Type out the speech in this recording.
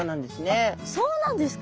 あっそうなんですか？